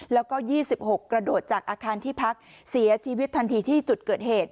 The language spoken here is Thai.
แล้วก็๒๖กระโดดจากอาคารที่พักเสียชีวิตทันทีที่จุดเกิดเหตุ